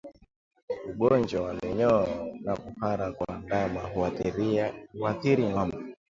Ugonjwa wa minyoo na kuhara kwa ndama huathiri ngombe